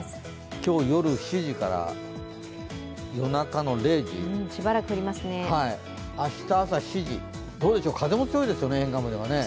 今日夜７時から、夜中の０時明日朝７時、どうでしょう風も強いですよね、沿岸部。